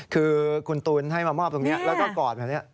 คือคุณตูนให้มามอบตรงนี้แล้วก็กอดแบบนี้